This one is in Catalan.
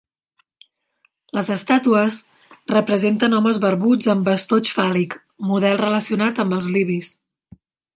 Les estàtues representen homes barbuts amb estoig fàl·lic, model relacionat amb els libis.